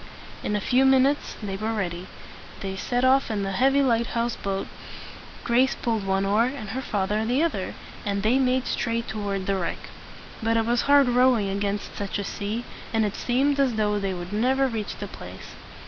In a few minutes they were ready. They set off in the heavy lighthouse boat. Grace pulled one oar, and her father the other, and they made straight toward the wreck. But it was hard rowing against such a sea, and it seemed as though they would never reach the place.